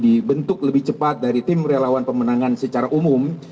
dibentuk lebih cepat dari tim relawan pemenangan secara umum